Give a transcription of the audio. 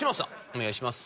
お願いします。